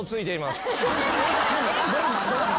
ドラマドラマ。